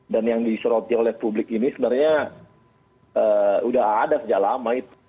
dan yang disuruti oleh publik ini sebenarnya udah ada sejak lama itu